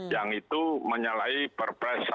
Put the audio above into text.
yang itu menyalahi perpres